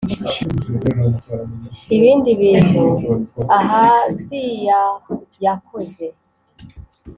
ibindi bintu ahaziyah yakoze